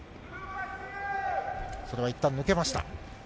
それはいったん抜けました。